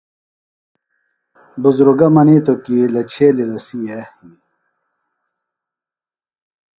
بُزرگہ منِیتوۡ کیۡ چھیلیۡ لسے ہنیۡ